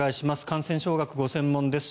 感染症学がご専門です